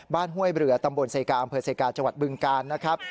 บ้านห้วยเบลือตำบลเศกาอำเภอเศกาจบึงกาลนะครับ